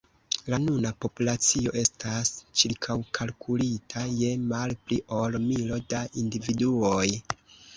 La nuna populacio estas ĉirkaŭkalkulita je malpli ol milo da individuoj.